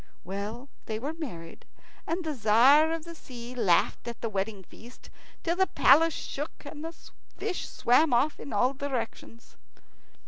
Well, they were married, and the Tzar of the Sea laughed at the wedding feast till the palace shook and the fish swam off in all directions.